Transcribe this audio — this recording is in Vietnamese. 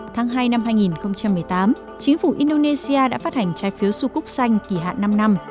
tháng hai năm hai nghìn một mươi tám chính phủ indonesia đã phát hành trái phiếu su cúc xanh kỳ hạn năm năm